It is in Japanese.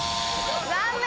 残念！